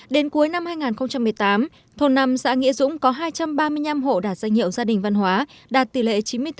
đến cuối năm hai nghìn một mươi tám thôn năm xã nghĩa dũng có hai trăm ba mươi năm hộ đạt danh hiệu gia đình văn hóa đạt tỷ lệ chín mươi bốn